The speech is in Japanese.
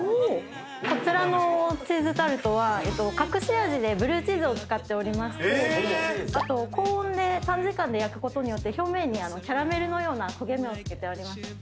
こちらのチーズタルトは隠し味でブルーチーズを使っておりましてあと高温で短時間で焼くことによって表面にキャラメルのような焦げ目をつけております。